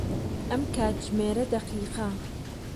ئەم کاتژمێرە دەقیقە.